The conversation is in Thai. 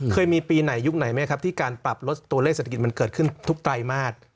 เคยมีปีไหนยุคไหนไหมครับที่การปรับลดตัวเลขเศรษฐกิจมันเกิดขึ้นทุกไตรมาส